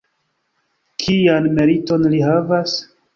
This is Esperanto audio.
Kian meriton li havas?